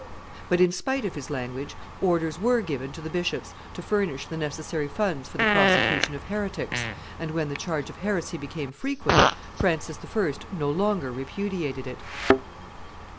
But in spite of his language, orders were given to the bishops to furnish the necessary funds for the prosecution of heretics, and, when the charge of heresy became frequent, Francis I. no longer repudiated it.